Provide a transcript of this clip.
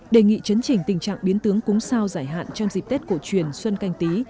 đề nghị chấn chỉnh tình trạng biến tướng cúng sao giải hạn trong dịp tết cổ truyền xuân canh tí